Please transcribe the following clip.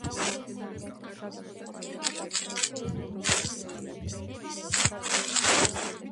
იმავე წელს, იგი შეუდგა დიპლომატიურ სამსახურს.